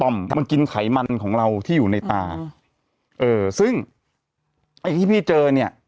มันกินไขมันของเราที่อยู่ในตาเอ่อซึ่งไอ้ที่พี่เจอเนี่ย